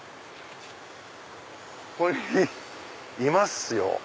ここにいますよ。